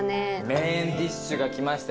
メインディッシュが来ました。